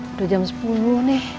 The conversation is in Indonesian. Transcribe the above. udah jam sepuluh nih